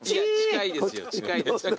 近いですね。